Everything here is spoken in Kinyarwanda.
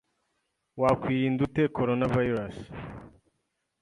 Wakwirinda ute corona virus